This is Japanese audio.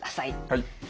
はい。